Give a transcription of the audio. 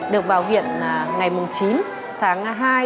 được vào viện ngày chín tháng hai